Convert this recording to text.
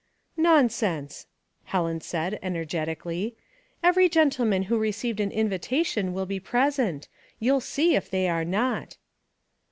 "Nonsense!" Helen said, energetically. "Ev ery gentleman who received an invitation will be present. You'll see if they are not."